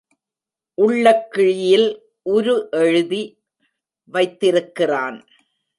உள்ளக் கிழியில் உரு எழுதி வைத்திருக்கிறான்.